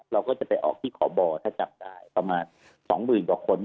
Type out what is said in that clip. เราก็จะไปขอบรสำหรับประมาณ๒หมื่นกว่าคน